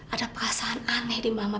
ada perasaan aneh di mama